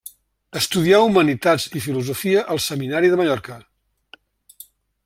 Estudià humanitats i filosofia al Seminari de Mallorca.